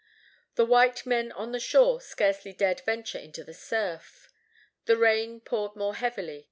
The white men on shore scarcely dared venture into the surf. The rain poured more heavily.